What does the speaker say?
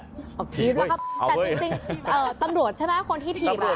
แต่จริงตำรวจใช่ไหมคนที่ถีบ